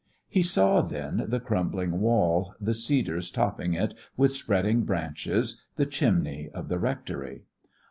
He saw, then, the crumbling wall, the cedars topping it with spreading branches, the chimneys of the rectory.